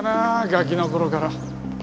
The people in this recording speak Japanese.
ガキの頃から。